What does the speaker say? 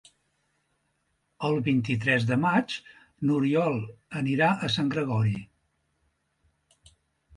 El vint-i-tres de maig n'Oriol anirà a Sant Gregori.